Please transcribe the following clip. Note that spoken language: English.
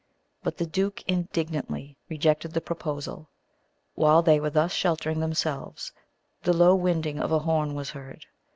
But the duke indignantly rejected the proposal. While they were thus sheltering themselves, the low winding of a horn was heard.